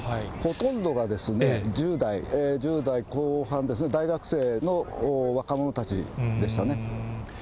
ほとんどが１０代後半ですね、大学生の若者たちでしたね。